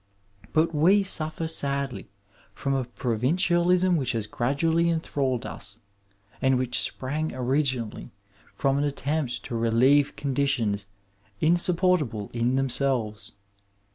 But we suffer sadly from a provincialism which has graduaUy enthralled us, and which sprang originally from an attempt to relieve con ditions insupportable in themselves.